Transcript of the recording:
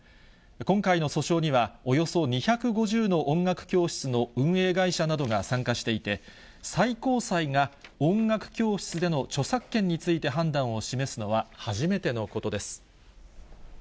今回の訴訟には、およそ２５０の音楽教室の運営会社などが参加していて、最高裁が音楽教室での著作権について判断を示すのは初めてのことです。